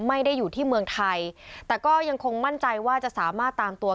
ไม่ได้อยู่ที่เมืองไทยแต่ก็ยังคงมั่นใจว่าจะสามารถตามตัว